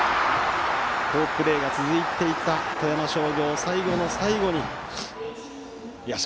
好プレーが続いていた富山商業、最後の最後にミス。